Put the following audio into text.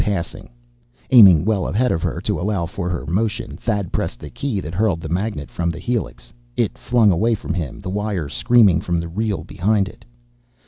Passing. Aiming well ahead of her, to allow for her motion, Thad pressed the key that hurled the magnet from the helix. It flung away from him, the wire screaming from the reel behind it.